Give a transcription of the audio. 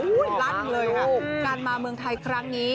อุ้ยรันเลยค่ะการมาเมืองไทยครั้งนี้